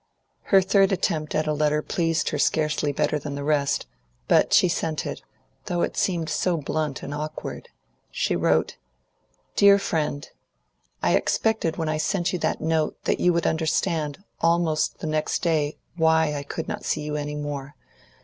Her third attempt at a letter pleased her scarcely better than the rest, but she sent it, though it seemed so blunt and awkward. She wrote: DEAR FRIEND, I expected when I sent you that note, that you would understand, almost the next day, why I could not see you any more.